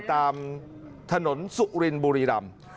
ตามถนนสุรินบุรีรำ